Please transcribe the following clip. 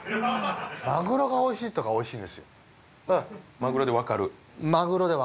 マグロでわかる？